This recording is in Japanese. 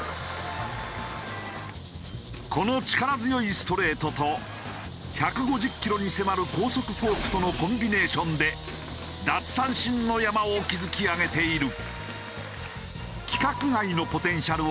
この力強いストレートと１５０キロに迫る高速フォークとのコンビネーションで奪三振の山を築き上げている。